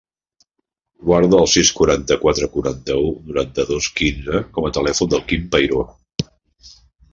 Guarda el sis, quaranta-quatre, quaranta-u, noranta-dos, quinze com a telèfon del Quim Peiro.